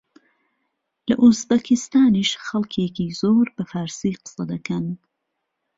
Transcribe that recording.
لە ئوزبەکستانیش خەڵکێکی زۆر بە فارسی قسە دەکەن